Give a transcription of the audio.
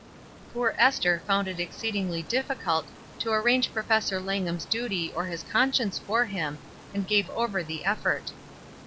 Poor Esther found it exceedingly difficult to arrange Professor Langham's duty or his con science for him, and gave over the effort.